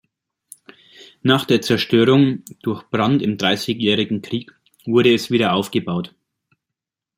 Nach der Zerstörung durch Brand im Dreißigjährigen Krieg wurde es wiederaufgebaut.